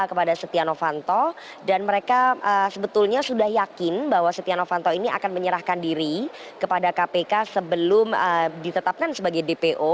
kepada setia novanto dan mereka sebetulnya sudah yakin bahwa setia novanto ini akan menyerahkan diri kepada kpk sebelum ditetapkan sebagai dpo